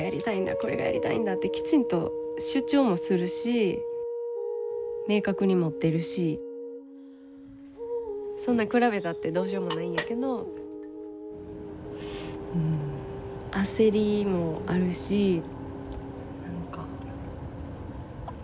これがやりたいんだってきちんと主張もするし明確に持ってるしそんな比べたってどうしようもないんやけど焦りもあるしま